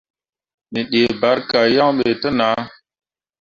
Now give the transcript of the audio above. Me dii barka yan ɓe te nah.